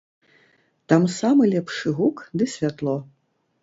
Там самы лепшы гук ды святло.